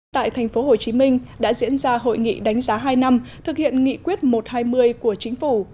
tại thành phố hồ chí minh đã diễn ra hội nghị đánh giá hai năm thực hiện nghị quyết một trăm hai mươi của chính phủ